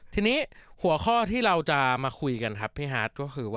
ทีนี้หัวข้อที่เราจะมาคุยกันครับพี่ฮัท